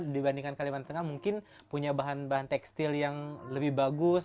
dibandingkan kalimantan tengah mungkin punya bahan bahan tekstil yang lebih bagus